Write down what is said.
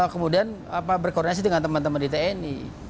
kemudian berkoordinasi dengan teman teman di tni